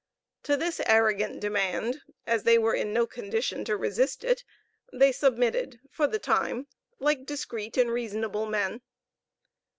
To this arrogant demand, as they were in no condition to resist it, they submitted for the time, like discreet and reasonable men.